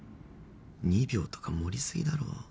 ２秒とか盛り過ぎだろ。